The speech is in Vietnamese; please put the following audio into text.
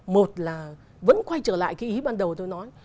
một là vẫn quay trở lại cái ý ban đầu tôi nói